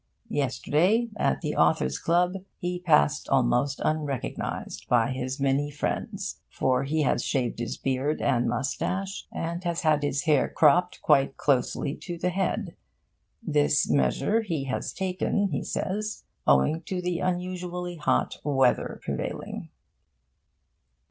Yesterday, at the Authors' Club, he passed almost unrecognised by his many friends, for he has shaved his beard and moustache, and has had his hair cropped quite closely to the head. This measure he has taken, he says, owing to the unusually hot weather prevailing.